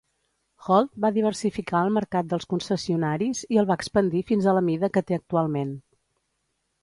Holt va diversificar el mercat dels concessionaris i el va expandir fins a la mida que té actualment.